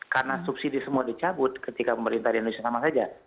karena subsidi semua dicabut ketika pemerintah indonesia sama saja